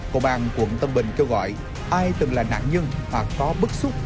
công an quận tân bình kêu gọi ai từng là nạn nhân hoặc có bức xúc